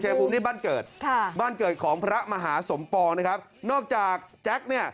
ภูมินี่บ้านเกิดค่ะบ้านเกิดของพระมหาสมปองนะครับนอกจากแจ็คเนี่ย